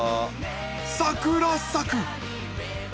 サクラサク！